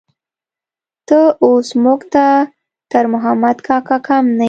ته اوس موږ ته تر محمد کاکا کم نه يې.